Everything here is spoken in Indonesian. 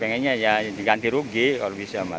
pengennya ya diganti rugi kalau bisa mbak